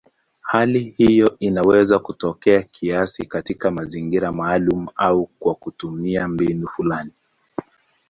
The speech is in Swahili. Hali hiyo inaweza kutokea kiasili katika mazingira maalumu au kwa kutumia mbinu fulani.